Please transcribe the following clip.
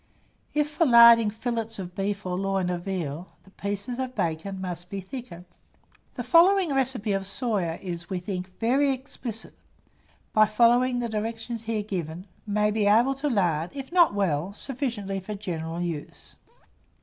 If for larding fillets of beef or loin of veal, the pieces of bacon must be thicker. The following recipe of Soyer is, we think, very explicit; and any cook, by following the directions here given, may be able to lard, if not well, sufficiently for general use.